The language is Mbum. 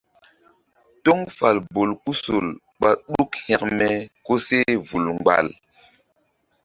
Toŋ fal bolkusol ɓá ɗuk hȩkme koseh vul mgbal.